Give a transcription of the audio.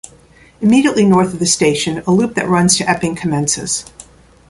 Immediately north of the station, a loop that runs to Epping commences.